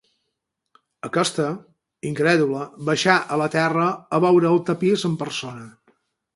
Aquesta, incrèdula, baixà a la terra a veure el tapís en persona.